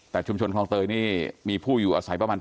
แต่ชุมชนคลองเตยนี่มีผู้อยู่อาศัยประมาณ